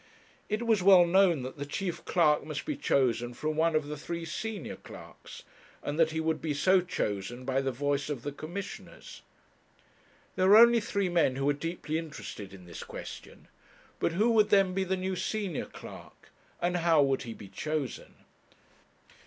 It was well known that the chief clerk must be chosen from one of the three senior clerks, and that he would be so chosen by the voice of the Commissioners. There were only three men who were deeply interested in this question. But who would then be the new senior clerk, and how would he be chosen?